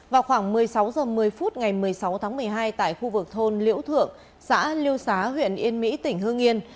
vào khoảng một mươi sáu h một mươi phút ngày một mươi sáu tháng một mươi hai tại khu vực thôn liễu thượng xã liêu xá huyện yên mỹ tỉnh hương yên